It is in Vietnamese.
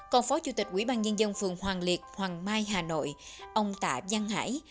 còn phó chủ tịch quỹ ban nhân dân phường hoàng liệt hoàng mai hà nội ông tạ giang hải